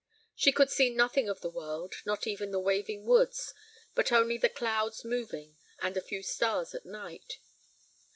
She could see nothing of the world, not even the waving woods, but only the clouds moving and a few stars at night.